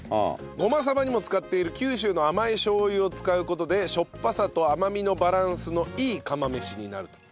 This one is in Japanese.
ごまさばにも使っている九州の甘いしょう油を使う事でしょっぱさと甘みのバランスのいい釜飯になると。